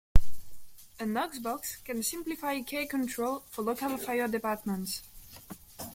A Knox-Box can simplify key control for local fire departments.